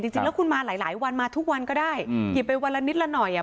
จริงจริงแล้วคุณมาหลายหลายวันมาทุกวันก็ได้อืมหยิบไปวันนิดละหน่อยอ่ะ